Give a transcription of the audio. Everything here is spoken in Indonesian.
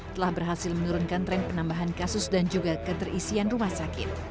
telah berhasil menurunkan tren penambahan kasus dan juga keterisian rumah sakit